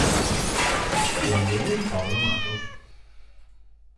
Fu allievo di Paolo Amato.